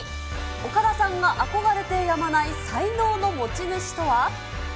岡田さんが憧れてやまない才能の持ち主とは。